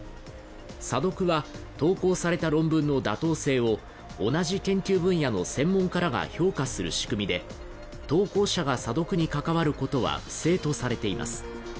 査読は投稿された論文の妥当性を同じ研究分野の専門家らが評価する仕組みで、投稿者が査読に関わることは不正とされています。